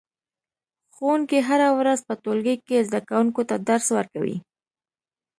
ښوونکی هره ورځ په ټولګي کې زده کوونکو ته درس ورکوي